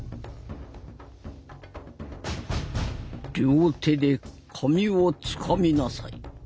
両手で髪をつかみなさい。